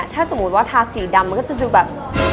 ถ้าสมมุติว่าทาสีดำมันก็จะดูแบบ